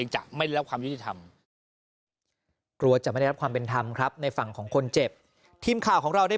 จะแม่รับความเป็นธรรมในฝั่งของคนเจ็บทีมข่าวของเราได้